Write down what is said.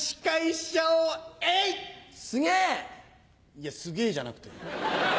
いや「すげぇ」じゃなくて。